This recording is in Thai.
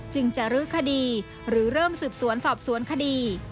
จึงจะรื้อคดีหรือเริ่มสืบสวนสอบสวนคดี